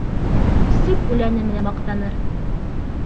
Сүп үләне менән маҡтаныр.